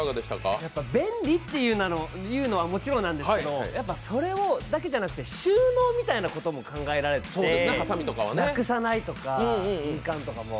便利というのはもちろんなんですけど、それだけじゃなくて収納みたいなことも考えられていてなくさないとか、印鑑とかも。